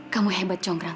kamu hebat congkrang